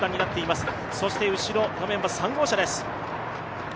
後ろ画面は３号車です。